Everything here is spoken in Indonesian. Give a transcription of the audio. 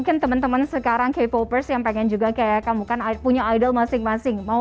karena aku pernah beli fansign ab enam ix dengan alamat yang jelas gitu